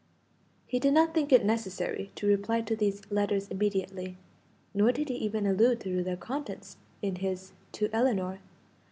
He did not think it necessary to reply to these letters immediately, nor did he even allude to their contents in his to Ellinor.